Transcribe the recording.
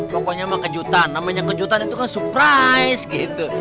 pokoknya sama kejutan namanya kejutan itu kan surprise gitu